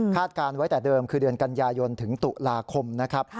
การไว้แต่เดิมคือเดือนกันยายนถึงตุลาคมนะครับ